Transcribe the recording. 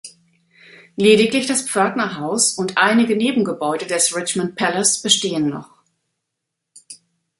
Lediglich das Pförtnerhaus und einige Nebengebäude des "Richmond Palace" bestehen noch.